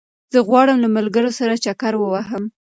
زه غواړم له ملګرو سره چکر ووهم